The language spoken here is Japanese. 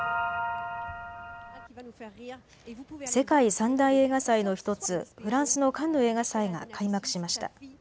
世界３大映画祭の１つ、フランスのカンヌ映画祭が開幕しました。